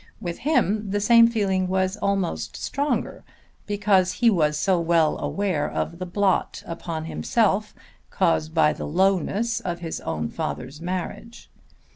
With him the same feeling was almost the stronger because he was so well aware of the blot upon himself caused by the lowness of his own father's marriage.